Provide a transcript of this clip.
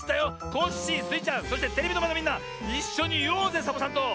コッシースイちゃんそしてテレビのまえのみんないっしょにいおうぜサボさんと。